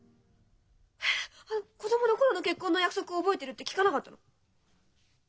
「子どもの頃の結婚の約束を覚えてる？」って聞かなかったの？